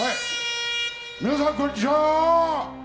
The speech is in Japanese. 皆さん、こんにちは！